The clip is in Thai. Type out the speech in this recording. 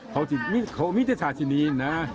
เขามีเจษฐาที่นี่นะ